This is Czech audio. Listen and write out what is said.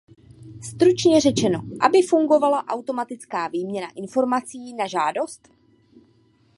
Stručně řečeno, aby fungovala automatická výměna informací na žádost.